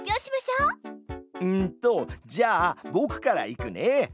うんとじゃあぼくからいくね！